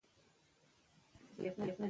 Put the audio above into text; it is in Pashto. ولې یې په یادښتونو کې ذکر نه دی کړی؟